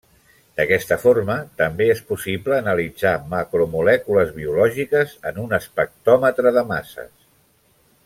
D'aquesta forma també és possible analitzar macromolècules biològiques en un espectròmetre de masses.